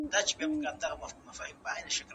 غیر اقتصادي شرایط به هم په پام کي ونیول سي.